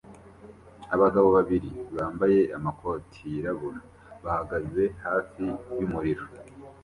Abagabo babiri bambaye amakoti yirabura bahagaze hafi yumuriro